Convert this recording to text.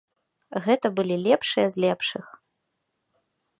Гэта былі лепшыя з лепшых.